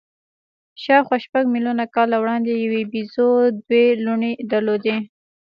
شاوخوا شپږ میلیونه کاله وړاندې یوې بیزو دوې لوڼې درلودې.